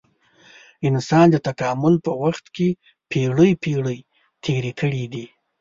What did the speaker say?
انسان د تکامل په وخت کې پېړۍ پېړۍ تېرې کړې دي.